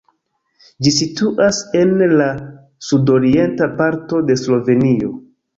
Ĝi situas en la sudorienta parto de Slovenio.